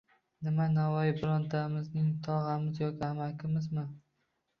Nima, Navoiy birontamizning tog‘amiz yoki amakimizmi?